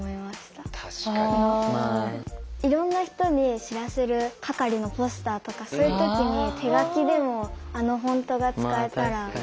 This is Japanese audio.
いろんな人に知らせる係のポスターとかそういう時に手書きでもあのフォントが使えたらいいなって思いました。